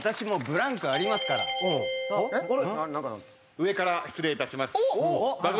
上から失礼いたします。